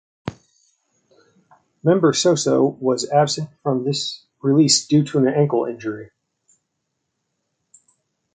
Member Soso was absent from this release due to an ankle injury.